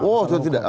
oh sudah lewat semua